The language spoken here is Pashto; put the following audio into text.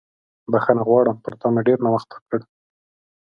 بښنه غواړم، پر تا مې ډېر ناوخته وکړ.